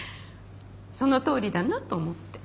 そのとおりだなと思って。